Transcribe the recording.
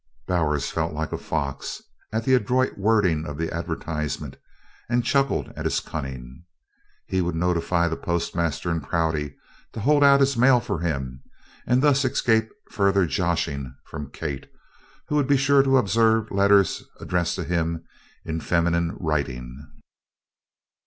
Bowers felt like a fox, at the adroit wording of the advertisement, and chuckled at his cunning. He would notify the postmaster in Prouty to hold out his mail for him and thus escape further "joshing" from Kate, who would be sure to observe letters addressed to him in feminine writing.